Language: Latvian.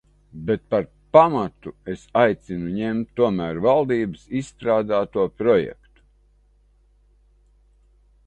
Bet par pamatu es aicinu ņemt tomēr valdības izstrādāto projektu.